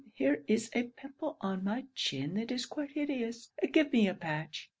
here is a pimple on my chin that is quite hideous; give me a patch.